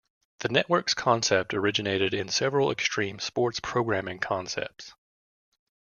The network's concept originated in several extreme sports programming concepts.